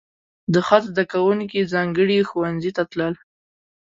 د خط زده کوونکي ځانګړي ښوونځي ته تلل.